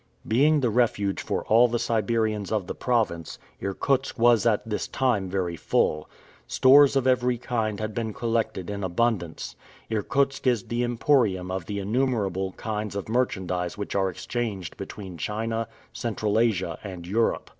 Being the refuge for all the Siberians of the province, Irkutsk was at this time very full. Stores of every kind had been collected in abundance. Irkutsk is the emporium of the innumerable kinds of merchandise which are exchanged between China, Central Asia, and Europe.